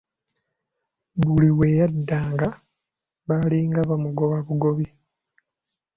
Buli we yaddanga baalinga bamugoba bugobi.